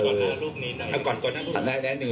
ก่อนหน้าลูกนี้นะครับ